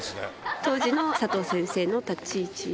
当時の佐藤先生の立ち位置。